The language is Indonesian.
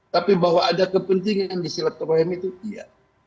tapi bahwa ada kepentingan di silatul rahim itu iya